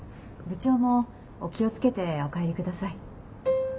部長もお気を付けてお帰り下さい。